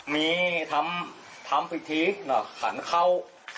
มีทำพิธีขันเข้า